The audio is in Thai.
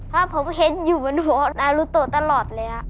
เพราะผมเห็นอยู่บนหัวของนารุโตตลอดเลยอะ